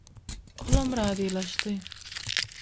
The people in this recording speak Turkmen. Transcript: Olam razylaşdy.